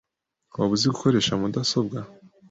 Waba uzi gukoresha mudasobwa?